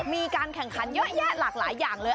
มีการแข่งขันเยอะแยะหลากหลายอย่างเลย